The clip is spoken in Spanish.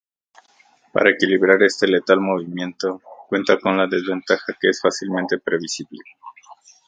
Para equilibrar este letal movimiento, cuenta con la desventaja que es fácilmente previsible.